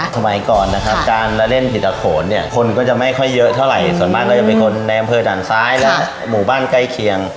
สมัยก่อนนะครับการละเล่นผิดตะโขนเนี่ยคนก็จะไม่ค่อยเยอะเท่าไหร่ส่วนมากเราจะเป็นคนในอำเภอด่านซ้ายและหมู่บ้านใกล้เคียง